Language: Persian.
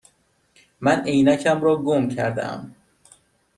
من عینکم را گم کرده ام.